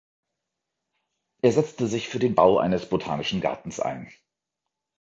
Er setzte sich für den Bau eines botanischen Gartens ein.